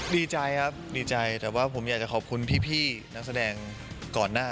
ดีใจครับดีใจแต่ว่าผมอยากจะขอบคุณพี่นักแสดงก่อนหน้า